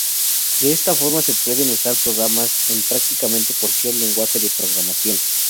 De esta forma, se pueden usar programas en prácticamente cualquier lenguaje de programación.